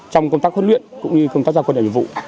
trong công tác huấn luyện cũng như công tác gia quân đại biểu vụ